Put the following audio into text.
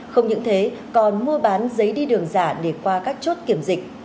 không những thế còn mua bán giấy đi đường giả để qua các chốt kiểm dịch